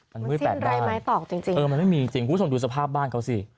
มันเมื่อแปดด้านเออมันไม่มีจริงคุณผู้ชมดูสภาพบ้านเขาสิ